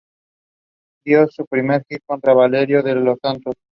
Dio su primer hit contra Valerio de los Santos.